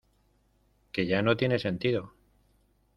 que ya no tiene sentido